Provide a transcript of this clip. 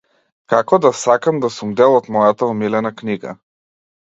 Како да сакам да сум дел од мојата омилена книга.